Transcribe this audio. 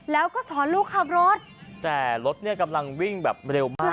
แล้วก็สอนลูกขับรถแต่รถเนี่ยกำลังวิ่งแบบเร็วมาก